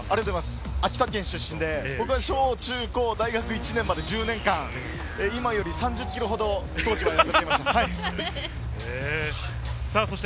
秋田県出身で僕は小・中・高・大学１年生まで１０年間、今から３０ｋｇほど痩せていました。